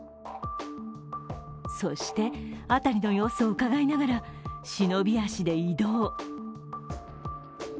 そして、辺りの様子をうかがいながら忍び足で移動。